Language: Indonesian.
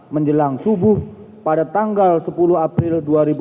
menjelang subuh pada tanggal sepuluh april dua ribu dua puluh